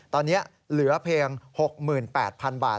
ตอนนี้เหลือเพียง๖๘๐๐๐บาท